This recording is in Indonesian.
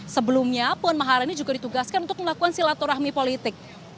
sebelumnya puan maharani juga ditugaskan untuk melakukan silaturahmi politik